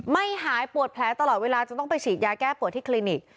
ไม่หายปวดแผลตลอดเวลาจนต้องไปฉีดยาแก้ปวดที่คลินิก